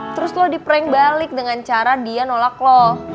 terus lo di prank balik dengan cara dia nolak loh